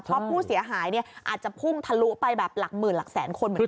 เพราะผู้เสียหายอาจจะพุ่งทะลุไปแบบหลักหมื่นหลักแสนคนเหมือนกัน